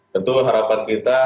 tentu harapan kita